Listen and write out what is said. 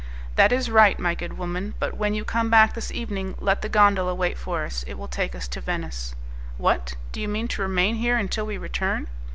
"That is right, my good woman; but when you come back this evening, let the gondola wait for us; it will take us to Venice." "What! Do you mean to remain here until we return?"